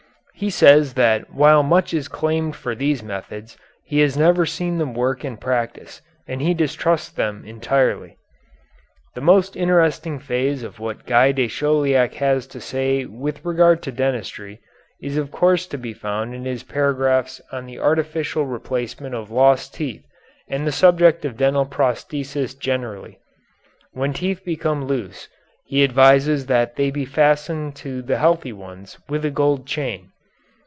He says that while much is claimed for these methods he has never seen them work in practice and he distrusts them entirely. The most interesting phase of what Guy de Chauliac has to say with regard to dentistry is of course to be found in his paragraphs on the artificial replacement of lost teeth and the subject of dental prosthesis generally. When teeth become loose he advises that they be fastened to the healthy ones with a gold chain.